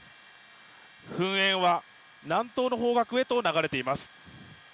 噴煙は南東の方角へと流れています。